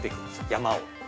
山を。